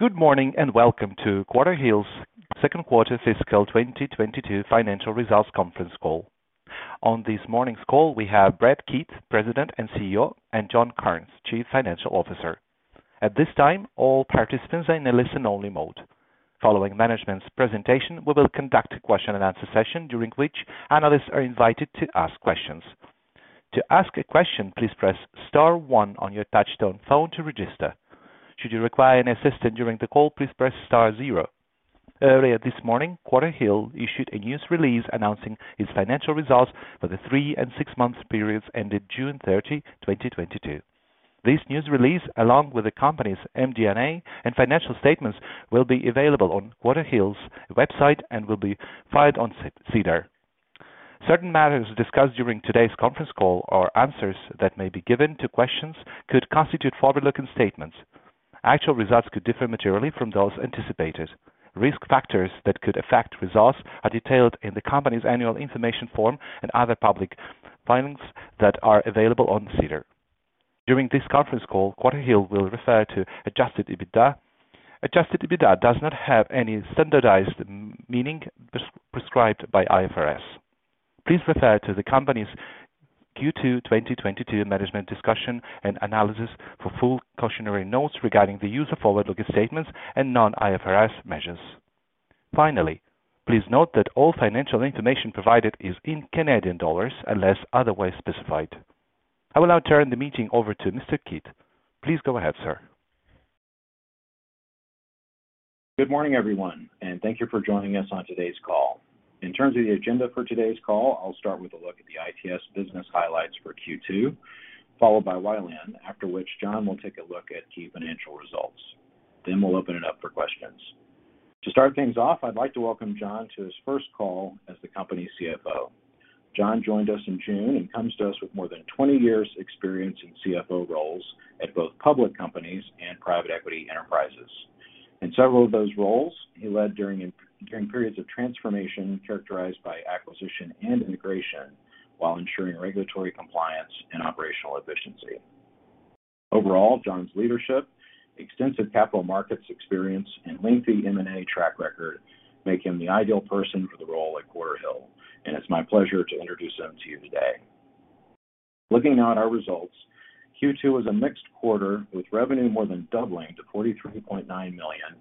Good morning, and welcome to Quarterhill's second quarter fiscal 2022 financial results conference call. On this morning's call, we have Bret Kidd, President and CEO, and John Karnes, Chief Financial Officer. At this time, all participants are in a listen-only mode. Following management's presentation, we will conduct a question-and-answer session during which analysts are invited to ask questions. To ask a question, please press star one on your touchtone phone to register. Should you require any assistance during the call, please press star zero. Earlier this morning, Quarterhill issued a news release announcing its financial results for the three and six month periods ended June 30, 2022. This news release, along with the company's MD&A and financial statements, will be available on Quarterhill's website and will be filed on SEDAR+. Certain matters discussed during today's conference call or answers that may be given to questions could constitute forward-looking statements. Actual results could differ materially from those anticipated. Risk factors that could affect results are detailed in the company's Annual Information Form and other public filings that are available on SEDAR+. During this conference call, Quarterhill will refer to Adjusted EBITDA. Adjusted EBITDA does not have any standardized meaning prescribed by IFRS. Please refer to the company's Q2 2022 management discussion and analysis for full cautionary notes regarding the use of forward-looking statements and non-IFRS measures. Finally, please note that all financial information provided is in Canadian dollars unless otherwise specified. I will now turn the meeting over to Mr. Kidd. Please go ahead, sir. Good morning, everyone, and thank you for joining us on today's call. In terms of the agenda for today's call, I'll start with a look at the ITS business highlights for Q2, followed by WiLAN, after which John will take a look at key financial results. We'll open it up for questions. To start things off, I'd like to welcome John to his first call as the company's CFO. John joined us in June and comes to us with more than 20 years' experience in CFO roles at both public companies and private equity enterprises. In several of those roles, he led during periods of transformation characterized by acquisition and integration while ensuring regulatory compliance and operational efficiency. Overall, John's leadership, extensive capital markets experience, and lengthy M&A track record make him the ideal person for the role at Quarterhill, and it's my pleasure to introduce him to you today. Looking at our results, Q2 was a mixed quarter with revenue more than doubling to 43.9 million,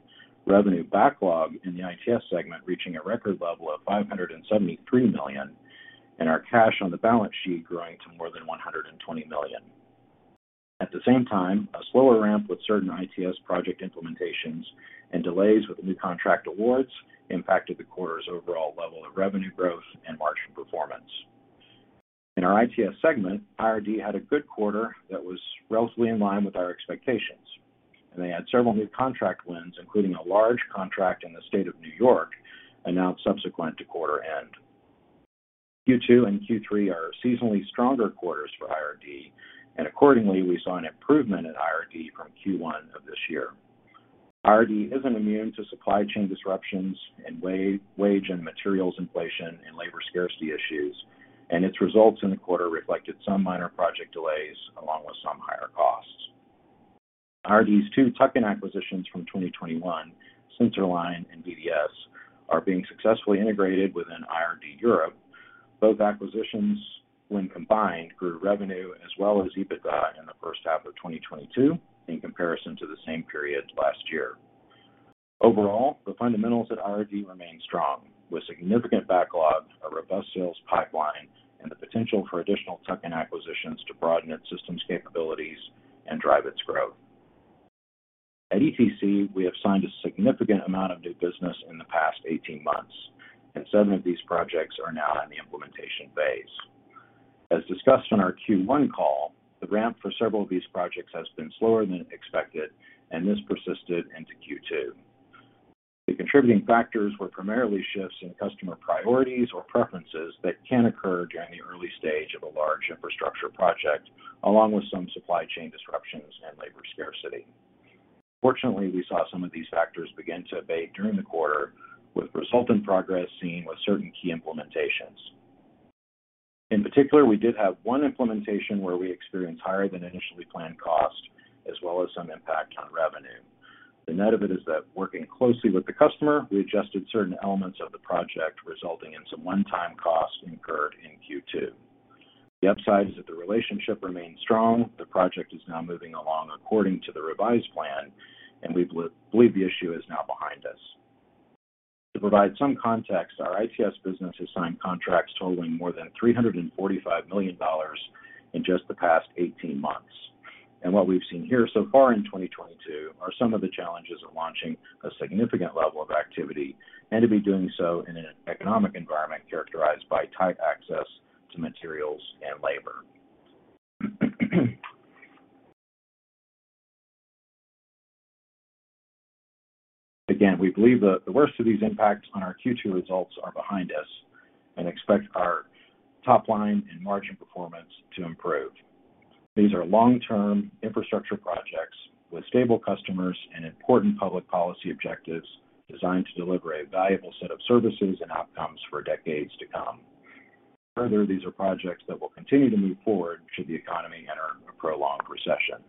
revenue backlog in the ITS segment reaching a record level of 573 million, and our cash on the balance sheet growing to more than 120 million. At the same time, a slower ramp with certain ITS project implementations and delays with new contract awards impacted the quarter's overall level of revenue growth and margin performance. In our ITS segment, IRD had a good quarter that was relatively in line with our expectations, and they had several new contract wins, including a large contract in the state of New York announced subsequent to quarter end. Q2 and Q3 are seasonally stronger quarters for IRD, and accordingly, we saw an improvement in IRD from Q1 of this year. IRD isn't immune to supply chain disruptions and wage and materials inflation and labor scarcity issues, and its results in the quarter reflected some minor project delays along with some higher costs. IRD's two tuck-in acquisitions from 2021, Centerline and BDS, are being successfully integrated within IRD Europe. Both acquisitions, when combined, grew revenue as well as EBITDA in the first half of 2022 in comparison to the same period last year. Overall, the fundamentals at IRD remain strong with significant backlog, a robust sales pipeline, and the potential for additional tuck-in acquisitions to broaden its systems capabilities and drive its growth. At ETC, we have signed a significant amount of new business in the past 18 months, and seven of these projects are now in the implementation phase. As discussed on our Q1 call, the ramp for several of these projects has been slower than expected, and this persisted into Q2. The contributing factors were primarily shifts in customer priorities or preferences that can occur during the early stage of a large infrastructure project, along with some supply chain disruptions and labor scarcity. Fortunately, we saw some of these factors begin to abate during the quarter with resultant progress seen with certain key implementations. In particular, we did have one implementation where we experienced higher than initially planned cost as well as some impact on revenue. The net of it is that working closely with the customer, we adjusted certain elements of the project, resulting in some one-time costs incurred in Q2. The upside is that the relationship remains strong. The project is now moving along according to the revised plan, and we believe the issue is now behind us. To provide some context, our ITS business has signed contracts totaling more than 345 million dollars in just the past eighteen months. What we've seen here so far in 2022 are some of the challenges of launching a significant level of activity and to be doing so in an economic environment characterized by tight access to materials and labor. Again, we believe the worst of these impacts on our Q2 results are behind us and expect our top line and margin performance to improve. These are long-term infrastructure projects with stable customers and important public policy objectives designed to deliver a valuable set of services and outcomes for decades to come. Further, these are projects that will continue to move forward should the economy enter a prolonged recession.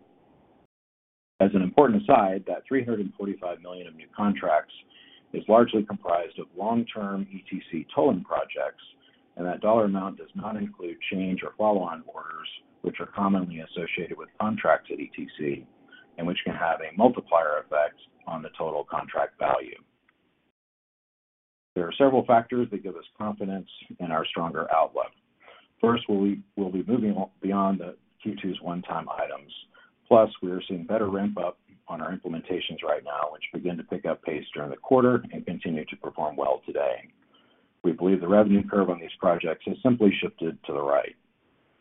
As an important aside, that 345 million of new contracts is largely comprised of long-term ETC tolling projects, and that dollar amount does not include change or follow-on orders, which are commonly associated with contracts at ETC and which can have a multiplier effect on the total contract value. There are several factors that give us confidence in our stronger outlook. First, we'll be moving on beyond Q2's one-time items. Plus, we are seeing better ramp-up on our implementations right now, which begin to pick up pace during the quarter and continue to perform well today. We believe the revenue curve on these projects has simply shifted to the right.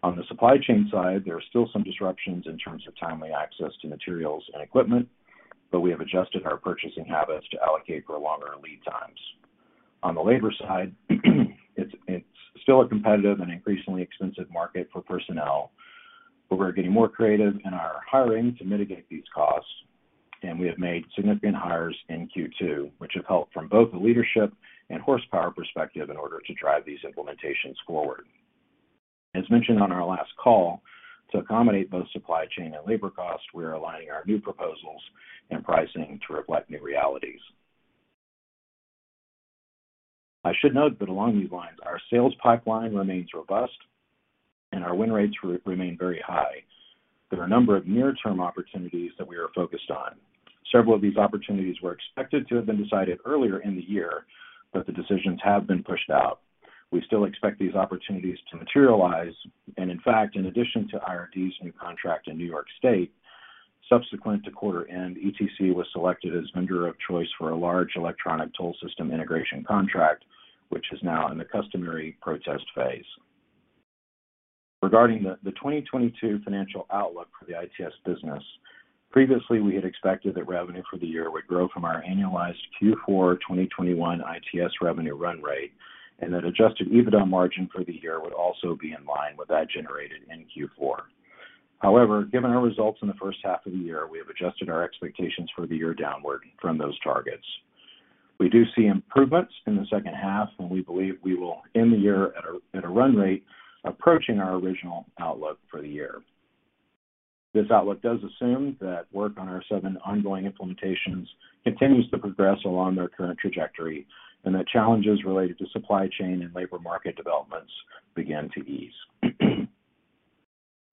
On the supply chain side, there are still some disruptions in terms of timely access to materials and equipment, but we have adjusted our purchasing habits to allocate for longer lead times. On the labor side, it's still a competitive and increasingly expensive market for personnel. We're getting more creative in our hiring to mitigate these costs, and we have made significant hires in Q2, which have helped from both the leadership and horsepower perspective in order to drive these implementations forward. As mentioned on our last call, to accommodate both supply chain and labor costs, we are aligning our new proposals and pricing to reflect new realities. I should note that along these lines, our sales pipeline remains robust and our win rates remain very high. There are a number of near-term opportunities that we are focused on. Several of these opportunities were expected to have been decided earlier in the year, but the decisions have been pushed out. We still expect these opportunities to materialize. In fact, in addition to IRD's new contract in New York State, subsequent to quarter end, ETC was selected as vendor of choice for a large electronic toll system integration contract, which is now in the customary protest phase. Regarding the 2022 financial outlook for the ITS business. Previously, we had expected that revenue for the year would grow from our annualized Q4 2021 ITS revenue run rate, and that Adjusted EBITDA margin for the year would also be in line with that generated in Q4. However, given our results in the first half of the year, we have adjusted our expectations for the year downward from those targets. We do see improvements in the second half, and we believe we will end the year at a run rate approaching our original outlook for the year. This outlook does assume that work on our seven ongoing implementations continues to progress along their current trajectory, and that challenges related to supply chain and labor market developments begin to ease.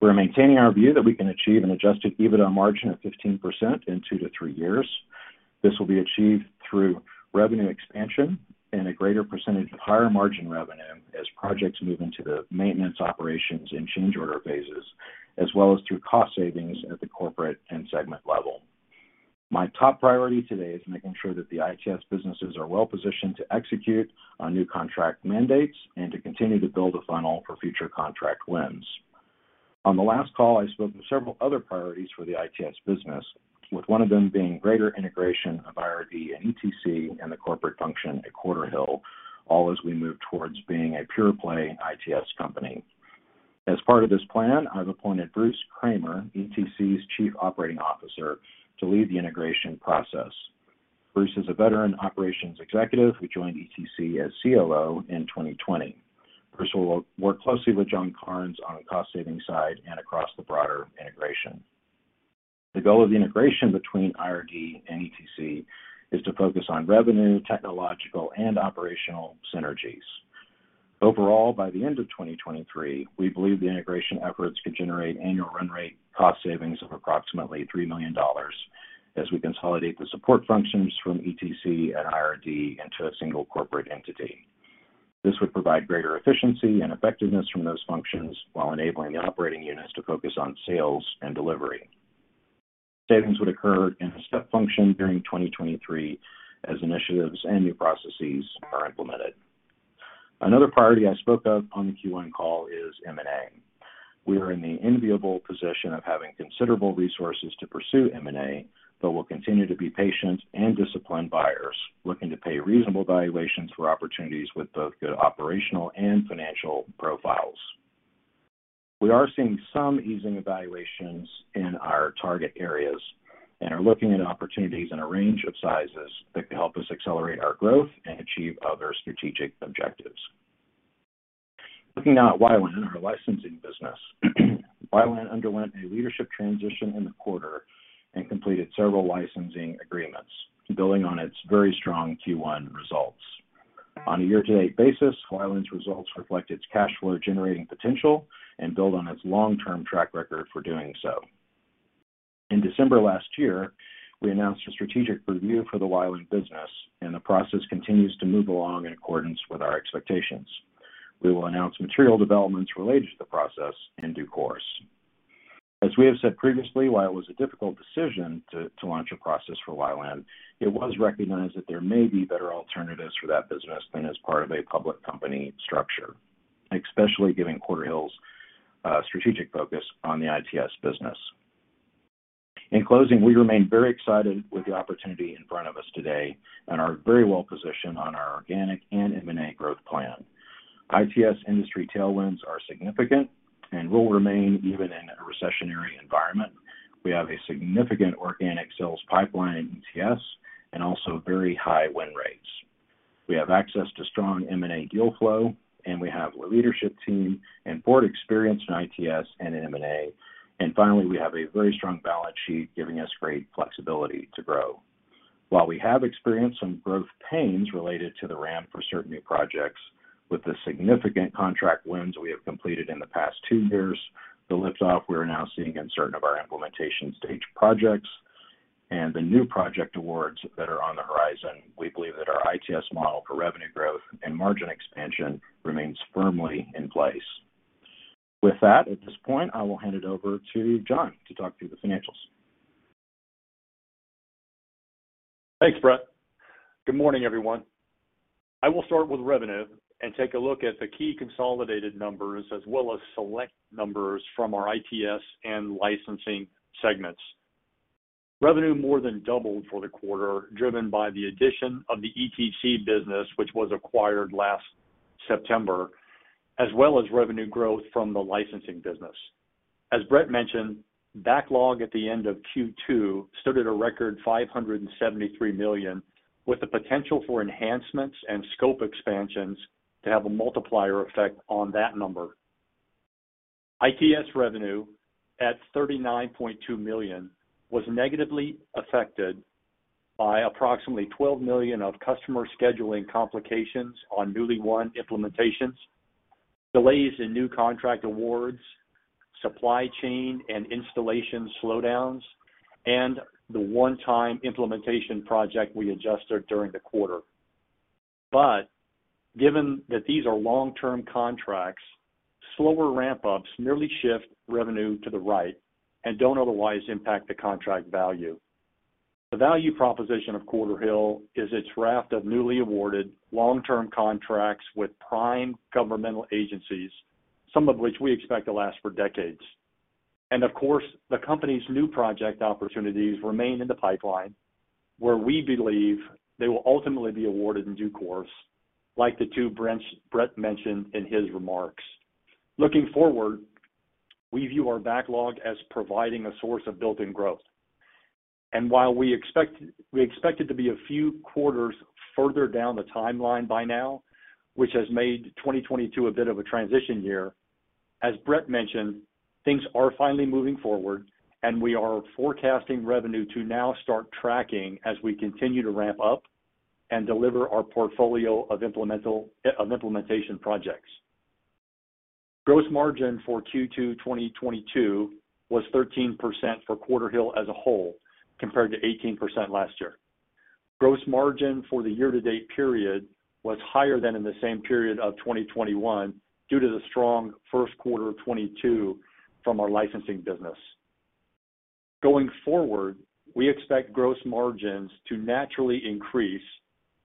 We're maintaining our view that we can achieve an Adjusted EBITDA margin of 15% in two to three years. This will be achieved through revenue expansion and a greater percentage of higher-margin revenue as projects move into the maintenance, operations, and change order phases, as well as through cost savings at the corporate and segment level. My top priority today is making sure that the ITS businesses are well-positioned to execute on new contract mandates and to continue to build a funnel for future contract wins. On the last call, I spoke to several other priorities for the ITS business, with one of them being greater integration of IRD and ETC and the corporate function at Quarterhill, all as we move towards being a pure-play ITS company. As part of this plan, I've appointed Bruce Kramer, ETC's Chief Operating Officer, to lead the integration process. Bruce is a veteran operations executive who joined ETC as CLO in 2020. Bruce Kramer will work closely with John Karnes on the cost-saving side and across the broader integration. The goal of the integration between IRD and ETC is to focus on revenue, technological, and operational synergies. Overall, by the end of 2023, we believe the integration efforts could generate annual run rate cost savings of approximately 3 million dollars as we consolidate the support functions from ETC and IRD into a single corporate entity. This would provide greater efficiency and effectiveness from those functions while enabling the operating units to focus on sales and delivery. Savings would occur in a step function during 2023 as initiatives and new processes are implemented. Another priority I spoke of on the Q1 call is M&A. We are in the enviable position of having considerable resources to pursue M&A but will continue to be patient and disciplined buyers, looking to pay reasonable valuations for opportunities with both good operational and financial profiles. We are seeing some easing valuations in our target areas and are looking at opportunities in a range of sizes that could help us accelerate our growth and achieve other strategic objectives. Looking now at WiLAN, our licensing business. WiLAN underwent a leadership transition in the quarter and completed several licensing agreements, building on its very strong Q1 results. On a year-to-date basis, WiLAN's results reflect its cash flow generating potential and build on its long-term track record for doing so. In December last year, we announced a strategic review for the WiLAN business and the process continues to move along in accordance with our expectations. We will announce material developments related to the process in due course. As we have said previously, while it was a difficult decision to launch a process for WiLAN, it was recognized that there may be better alternatives for that business than as part of a public company structure, especially given Quarterhill's strategic focus on the ITS business. In closing, we remain very excited with the opportunity in front of us today and are very well positioned on our organic and M&A growth plan. ITS industry tailwinds are significant and will remain even in a recessionary environment. We have a significant organic sales pipeline in ITS and also very high win rates. We have access to strong M&A deal flow, and we have a leadership team and board experience in ITS and in M&A. Finally, we have a very strong balance sheet, giving us great flexibility to grow. While we have experienced some growth pains related to the ramp for certain new projects, with the significant contract wins we have completed in the past two years, the lift off we are now seeing in certain of our implementation stage projects and the new project awards that are on the horizon, we believe that our ITS model for revenue growth and margin expansion remains firmly in place. With that, at this point, I will hand it over to John Karnes to talk through the financials. Thanks, Bret. Good morning, everyone. I will start with revenue and take a look at the key consolidated numbers as well as select numbers from our ITS and licensing segments. Revenue more than doubled for the quarter, driven by the addition of the ETC business, which was acquired last September, as well as revenue growth from the licensing business. As Bret mentioned, backlog at the end of Q2 stood at a record 573 million, with the potential for enhancements and scope expansions to have a multiplier effect on that number. ITS revenue at 39.2 million was negatively affected by approximately 12 million of customer scheduling complications on newly won implementations, delays in new contract awards, supply chain and installation slowdowns, and the one-time implementation project we adjusted during the quarter. Given that these are long-term contracts, slower ramp-ups merely shift revenue to the right and don't otherwise impact the contract value. The value proposition of Quarterhill is its raft of newly awarded long-term contracts with prime governmental agencies, some of which we expect to last for decades. Of course, the company's new project opportunities remain in the pipeline, where we believe they will ultimately be awarded in due course, like the two Bret mentioned in his remarks. Looking forward, we view our backlog as providing a source of built-in growth. While we expect it to be a few quarters further down the timeline by now, which has made 2022 a bit of a transition year, as Bret mentioned, things are finally moving forward, and we are forecasting revenue to now start tracking as we continue to ramp up and deliver our portfolio of implementation projects. Gross margin for Q2 2022 was 13% for Quarterhill as a whole, compared to 18% last year. Gross margin for the year-to-date period was higher than in the same period of 2021 due to the strong first quarter of 2022 from our licensing business. Going forward, we expect gross margins to naturally increase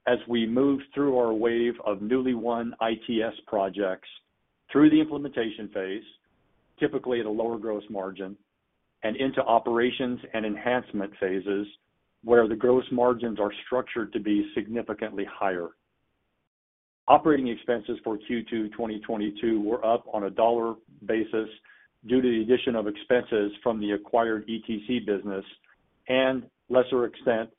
as we move through our wave of newly won ITS projects through the implementation phase, typically at a lower gross margin, and into operations and enhancement phases, where the gross margins are structured to be significantly higher. Operating expenses for Q2 2022 were up on a dollar basis due to the addition of expenses from the acquired ETC business and lesser extent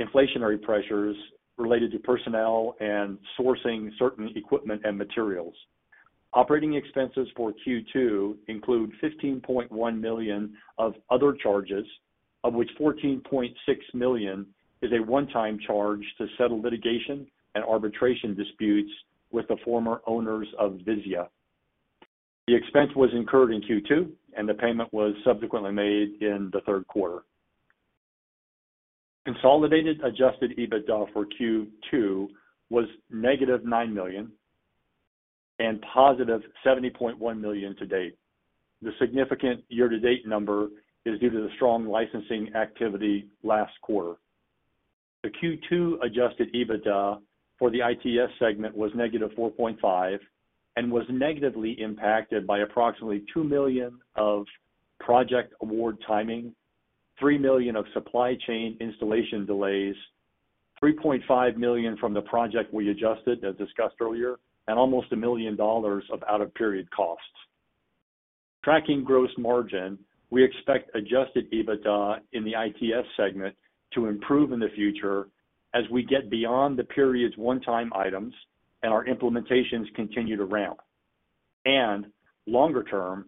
inflationary pressures related to personnel and sourcing certain equipment and materials. Operating expenses for Q2 include 15.1 million of other charges, of which 14.6 million is a one-time charge to settle litigation and arbitration disputes with the former owners of VIZIYA. The expense was incurred in Q2, and the payment was subsequently made in the third quarter. Consolidated Adjusted EBITDA for Q2 was -9 million and positive 70.1 million to date. The significant year-to-date number is due to the strong licensing activity last quarter. The Q2 Adjusted EBITDA for the ITS segment was -4.5 and was negatively impacted by approximately 2 million of project award timing, 3 million of supply chain installation delays, 3.5 million from the project we adjusted, as discussed earlier, and almost 1 million dollars of out-of-period costs. Tracking gross margin, we expect Adjusted EBITDA in the ITS segment to improve in the future as we get beyond the period's one-time items and our implementations continue to ramp, and longer term,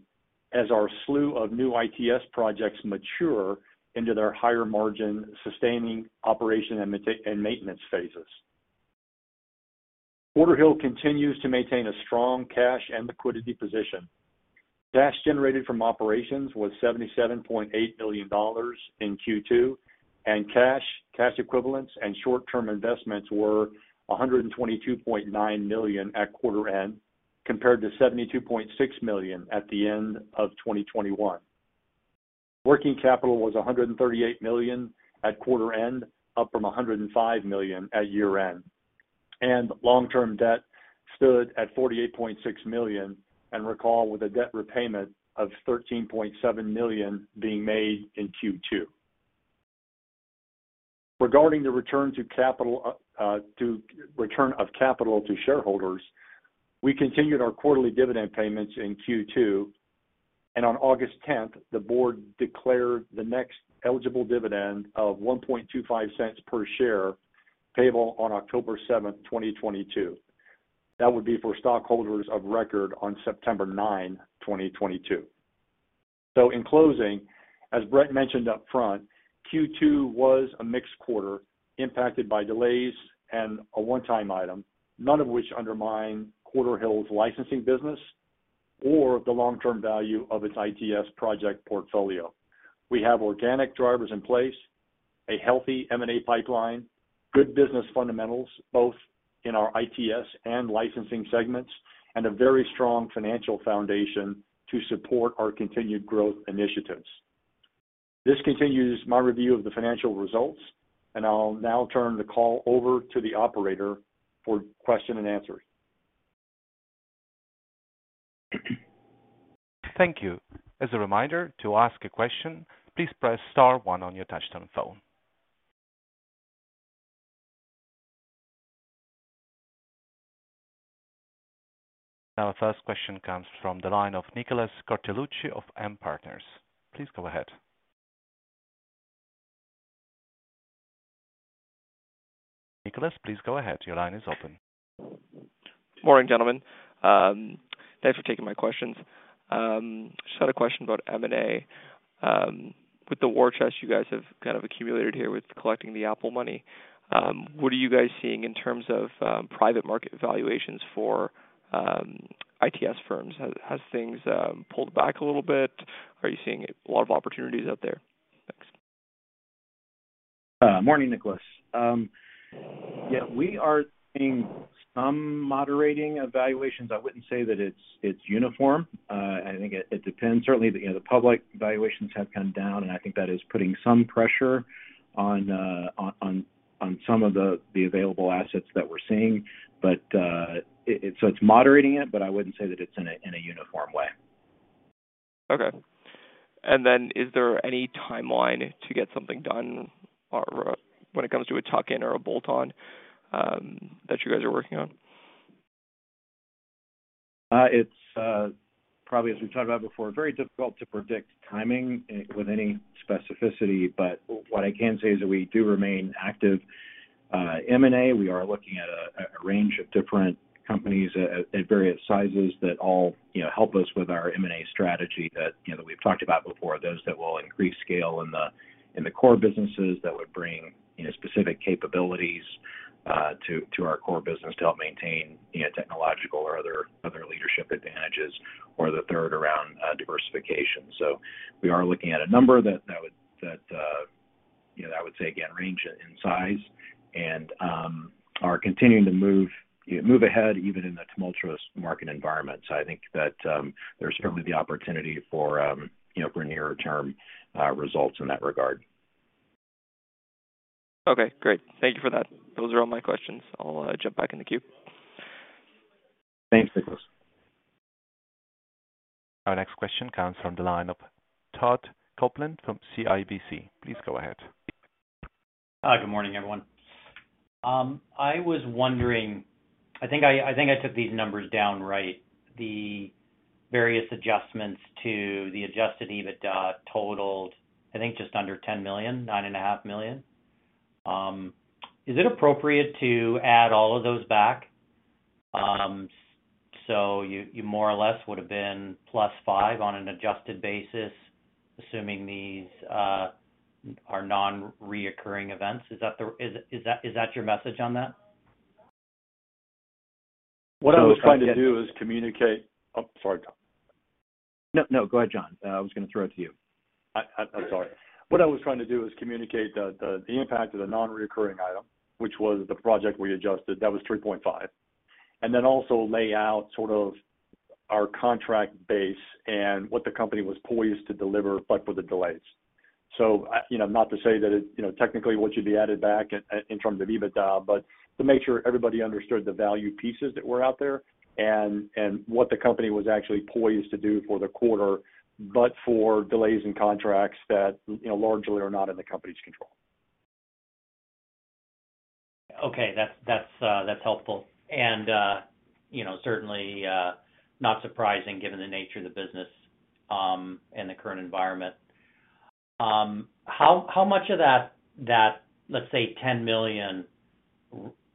as our slew of new ITS projects mature into their higher margin sustaining operation and maintenance phases. Quarterhill continues to maintain a strong cash and liquidity position. Cash generated from operations was 77.8 million dollars in Q2, and cash equivalents and short-term investments were 122.9 million at quarter end, compared to 72.6 million at the end of 2021. Working capital was 138 million at quarter end, up from 105 million at year-end. Long-term debt stood at 48.6 million net of a debt repayment of 13.7 million being made in Q2. Regarding the return of capital to shareholders, we continued our quarterly dividend payments in Q2, and on August tenth, the board declared the next eligible dividend of 0.0125 per share, payable on October seventh, 2022. That would be for stockholders of record on September nine, 2022. In closing, as Bret mentioned upfront, Q2 was a mixed quarter impacted by delays and a one-time item, none of which undermine Quarterhill's licensing business or the long-term value of its ITS project portfolio. We have organic drivers in place, a healthy M&A pipeline, good business fundamentals, both in our ITS and licensing segments, and a very strong financial foundation to support our continued growth initiatives. This continues my review of the financial results, and I'll now turn the call over to the operator for question and answer. Thank you. As a reminder, to ask a question, please press star one on your touchtone phone. Our first question comes from the line of Nicholas Cortellucci of Atrium Research. Please go ahead. Nicholas, please go ahead. Your line is open. Morning, gentlemen. Thanks for taking my questions. Just had a question about M&A. With the war chest you guys have kind of accumulated here with collecting the Apple money, what are you guys seeing in terms of private market valuations for ITS firms? Has things pulled back a little bit? Are you seeing a lot of opportunities out there? Thanks. Morning, Nicholas. Yeah, we are seeing some moderating evaluations. I wouldn't say that it's uniform. I think it depends. Certainly, you know, the public valuations have come down, and I think that is putting some pressure on some of the available assets that we're seeing. It's moderating it, but I wouldn't say that it's in a uniform way. Okay. Is there any timeline to get something done or when it comes to a tuck-in or a bolt-on that you guys are working on? It's probably as we've talked about before, very difficult to predict timing with any specificity. What I can say is that we do remain active M&A. We are looking at a range of different companies at various sizes that all, you know, help us with our M&A strategy that, you know, we've talked about before, those that will increase scale in the core businesses that would bring, you know, specific capabilities to our core business to help maintain, you know, technological or other leadership advantages, or the third around diversification. We are looking at a number that would, you know, I would say again range in size and are continuing to move ahead even in the tumultuous market environment. I think that, there's certainly the opportunity for, you know, nearer term, results in that regard. Okay, great. Thank you for that. Those are all my questions. I'll jump back in the queue. Thanks, Nicholas. Our next question comes from the line of Todd Coupland from CIBC. Please go ahead. Good morning, everyone. I was wondering. I think I took these numbers down right, the various adjustments to the Adjusted EBITDA totaled, I think just under 10 million, 9.5 million. Is it appropriate to add all of those back, so you more or less would have been plus 5 million on an adjusted basis, assuming these are non-recurring events? Is that your message on that? What I was trying to do is communicate. Oh, sorry, Todd. No, no, go ahead, John. I was gonna throw it to you. I'm sorry. What I was trying to do is communicate the impact of the non-recurring item, which was the project we adjusted, that was 3.5. Then also lay out sort of our contract base and what the company was poised to deliver, but for the delays. You know, not to say that it, you know, technically what should be added back in terms of EBITDA, but to make sure everybody understood the value pieces that were out there and what the company was actually poised to do for the quarter, but for delays in contracts that, you know, largely are not in the company's control. Okay. That's helpful. You know, certainly not surprising given the nature of the business and the current environment. How much of that, let's say 10 million,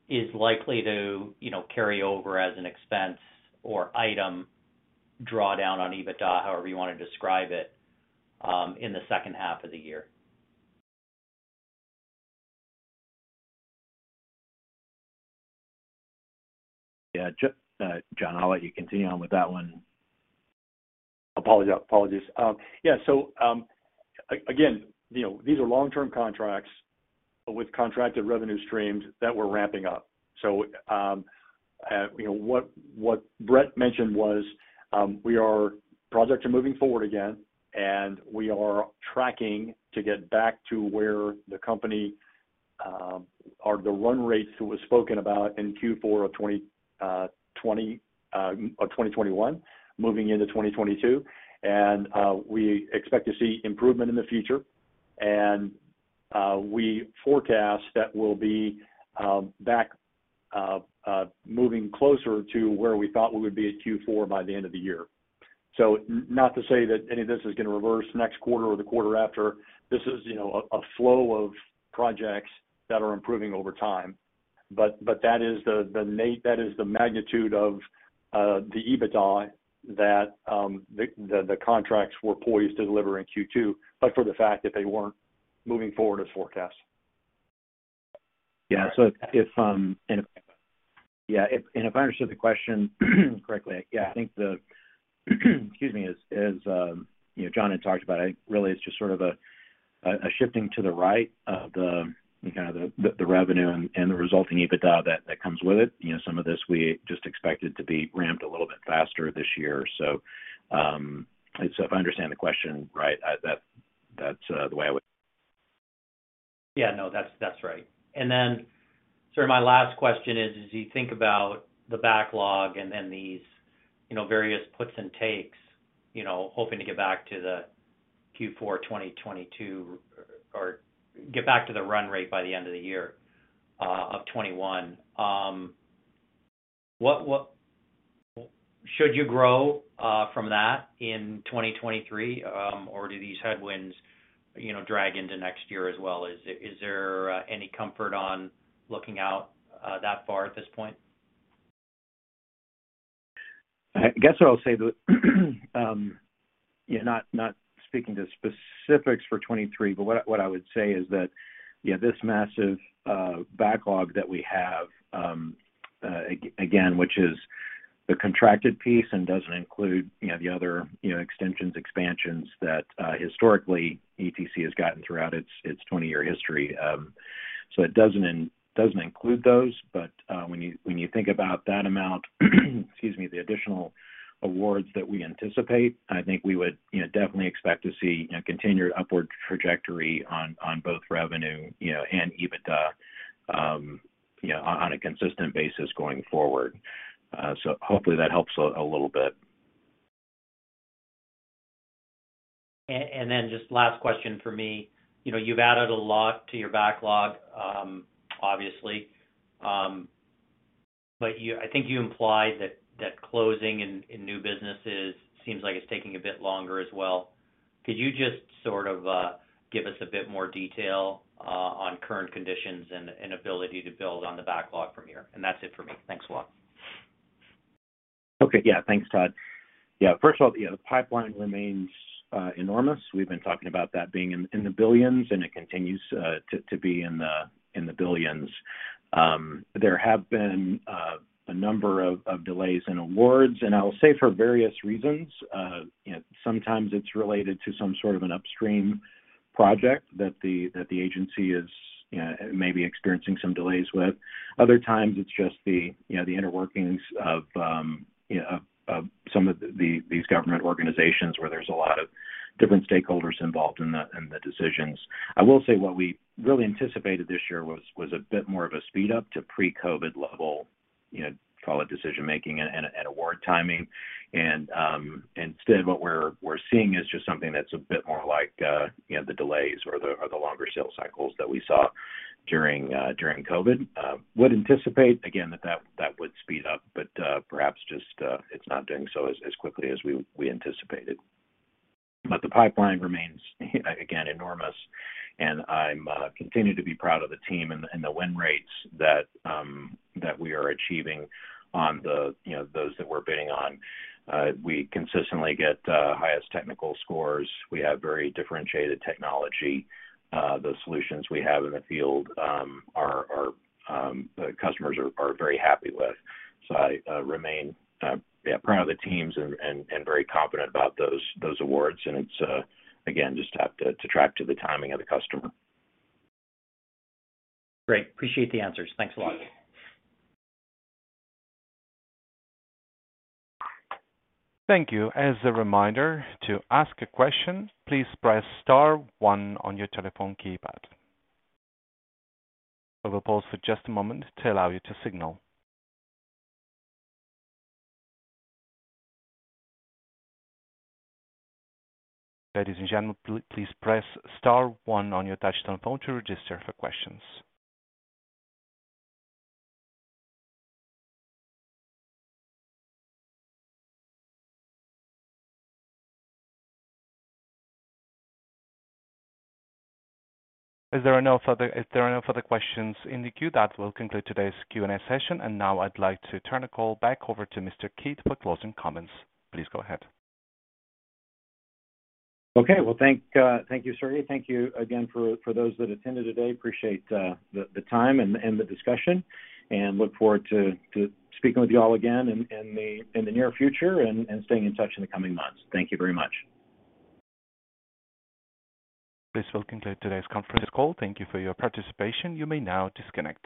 is likely to, you know, carry over as an expense or item drawdown on EBITDA, however you wanna describe it, in the second half of the year? Yeah. John, I'll let you continue on with that one. Apologies. Yeah. Again, you know, these are long-term contracts with contracted revenue streams that we're ramping up. You know, what Bret mentioned was, projects are moving forward again, and we are tracking to get back to where the company or the run rates that was spoken about in Q4 of 2021 moving into 2022. We expect to see improvement in the future. We forecast that we'll be back. Moving closer to where we thought we would be at Q4 by the end of the year. Not to say that any of this is gonna reverse next quarter or the quarter after. This is, you know, a flow of projects that are improving over time. But that is the magnitude of the EBITDA that the contracts were poised to deliver in Q2, but for the fact that they weren't moving forward as forecast. If I understood the question correctly, I think as you know, John had talked about, I think really it's just sort of a shifting to the right of the, you know, the revenue and the resulting EBITDA that comes with it. You know, some of this we just expected to be ramped a little bit faster this year. If I understand the question right, that's the way I would. Yeah, no, that's right. My last question is, as you think about the backlog and then these, you know, various puts and takes, you know, hoping to get back to the Q4 2022 or get back to the run rate by the end of the year of 2021, what should you grow from that in 2023, or do these headwinds, you know, drag into next year as well? Is there any comfort on looking out that far at this point? I guess what I'll say is yeah, not speaking to specifics for 2023, but what I would say is that yeah, this massive backlog that we have, again, which is the contracted piece and doesn't include you know the other you know extensions expansions that historically ETC has gotten throughout its 20-year history. It doesn't include those. When you think about that amount, excuse me, the additional awards that we anticipate, I think we would you know definitely expect to see you know continued upward trajectory on both revenue you know and EBITDA you know on a consistent basis going forward. Hopefully that helps a little bit. Just last question for me. You know, you've added a lot to your backlog, obviously. You, I think you implied that closing in new businesses seems like it's taking a bit longer as well. Could you just sort of give us a bit more detail on current conditions and ability to build on the backlog from here? That's it for me. Thanks a lot. Okay. Yeah. Thanks, Todd. Yeah, first of all, you know, the pipeline remains enormous. We've been talking about that being in the billions, and it continues to be in the billions. There have been a number of delays in awards, and I will say for various reasons. You know, sometimes it's related to some sort of an upstream project that the agency is, you know, maybe experiencing some delays with. Other times it's just the, you know, the inner workings of, you know, of some of these government organizations where there's a lot of different stakeholders involved in the decisions. I will say what we really anticipated this year was a bit more of a speed up to pre-COVID level, you know, call it decision-making and award timing. Instead, what we're seeing is just something that's a bit more like, you know, the delays or the longer sales cycles that we saw during COVID. I would anticipate again that that would speed up, but perhaps just it's not doing so as quickly as we anticipated. The pipeline remains, again, enormous and I continue to be proud of the team and the win rates that we are achieving on, you know, those that we're bidding on. We consistently get highest technical scores. We have very differentiated technology. The solutions we have in the field, our customers are very happy with. I remain proud of the teams and very confident about those awards. It's again just have to track to the timing of the customer. Great. Appreciate the answers. Thanks a lot. Thank you. As a reminder, to ask a question, please press star one on your telephone keypad. We will pause for just a moment to allow you to signal. Ladies and gentlemen, please press star one on your touch telephone to register for questions. If there are no further questions in the queue, that will conclude today's Q&A session. Now I'd like to turn the call back over to Mr. Kidd for closing comments. Please go ahead. Okay. Well, thank you, Sergey. Thank you again for those that attended today. Appreciate the time and the discussion, and look forward to speaking with you all again in the near future and staying in touch in the coming months. Thank you very much. This will conclude today's conference call. Thank you for your participation. You may now disconnect.